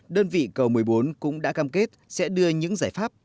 đơn vị cầu một mươi bốn cũng đã cam kết sẽ đưa những giải pháp